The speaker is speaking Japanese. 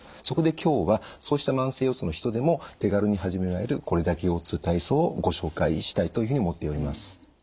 そこで今日はそうした慢性腰痛の人でも手軽に始められる「これだけ腰痛体操」をご紹介したいというふうに思っております。